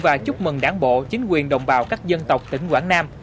và chúc mừng đảng bộ chính quyền đồng bào các dân tộc tỉnh quảng nam